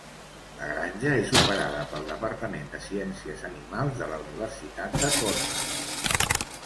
La granja és operada pel departament de ciències animals de la universitat de Cornell.